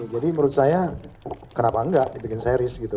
menurut saya kenapa enggak dibikin series gitu